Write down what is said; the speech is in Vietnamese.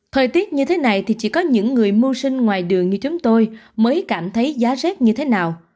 thời tiết như thế này thì chỉ có những người mua sinh ngoài đường như chúng tôi mới cảm thấy giá rét như thế nào